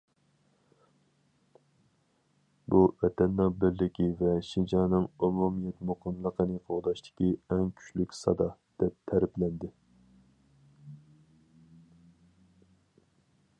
بۇ، ۋەتەننىڭ بىرلىكى ۋە شىنجاڭنىڭ ئومۇمىيەت مۇقىملىقىنى قوغداشتىكى‹‹ ئەڭ كۈچلۈك سادا››، دەپ تەرىپلەندى.